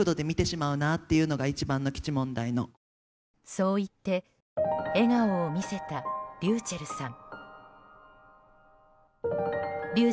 そう言って笑顔を見せたｒｙｕｃｈｅｌｌさん。